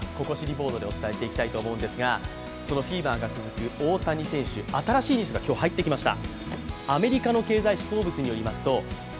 ボードでお伝えしていきたいと思うんですがそのフィーバーが続く大谷選手、新しいニュースが今日、入ってきました。